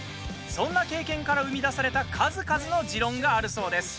そんな経験から生み出された数々の持論があるそうです。